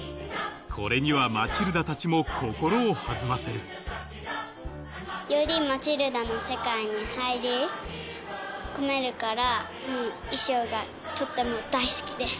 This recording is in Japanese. これにはマチルダたちも心を弾ませるより『マチルダ』の世界に入り込めるから衣装がとっても大好きです。